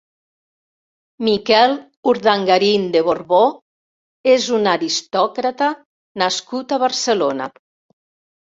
Miquel Urdangarín de Borbó és un aristòcrata nascut a Barcelona.